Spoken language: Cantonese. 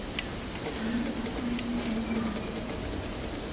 睇，睇下，見到啦？